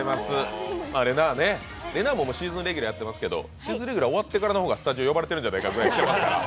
れなぁもシーズンレギュラーやってますけどシーズンレギュラー終わって方らの方が呼ばれてるんじゃないかと。